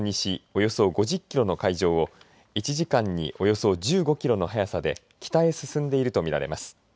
およそ５０キロの海上を１時間におよそ１５キロの速さで北へ進んでいるとみられます。